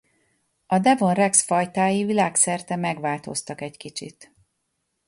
A devon rex fajtái világszerte megváltoztak egy kicsit.